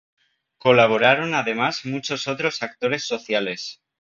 Colaboraron además muchos otros actores sociales.